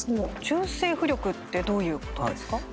中性浮力ってどういうことですか？